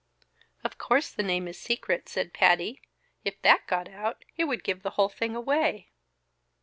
"Of course the name is a secret," said Patty. "If that got out, it would give the whole thing away."